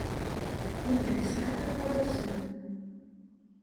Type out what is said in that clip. Yuba yesɛa iɣawasen.